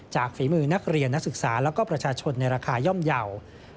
ฝีมือนักเรียนนักศึกษาแล้วก็ประชาชนในราคาย่อมเยาว์